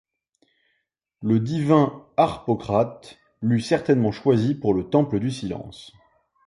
Le divin Harpocrate l’eût certainement choisie pour le temple du silence.